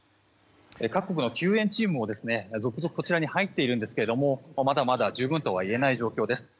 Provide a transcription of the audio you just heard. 各国の救援チームも続々こちらに入っているんですがまだまだ十分とは言えない状況です。